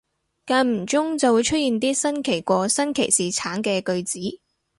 間唔中就會出現啲新奇過新奇士橙嘅句子